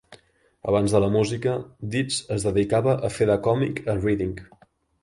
Abans de la música, Didz es dedicava a fer de còmic a Reading.